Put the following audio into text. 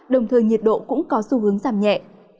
đồng thời nhiệt độ cũng có xu hướng giảm nhẹ